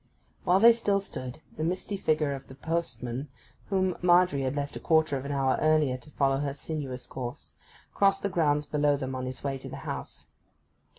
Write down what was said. While they still stood, the misty figure of the postman, whom Margery had left a quarter of an hour earlier to follow his sinuous course, crossed the grounds below them on his way to the house.